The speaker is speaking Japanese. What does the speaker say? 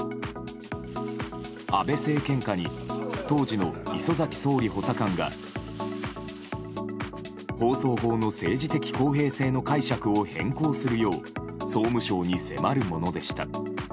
安倍政権下に当時の礒崎総理補佐官が放送法の政治的公平性の解釈を変更するよう総務省に迫るものでした。